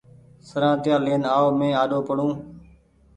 سرآتييآ لين آو مينٚ آڏو پڙون